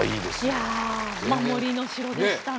いや守りの城でしたね。